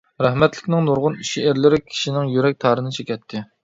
رەھمەتلىكنىڭ نۇرغۇن شېئىرلىرى كىشىنىڭ يۈرەك تارىنى چېكەتتى.